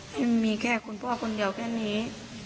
มันมีแค่คุณพ่อคนเดียวแค่นี้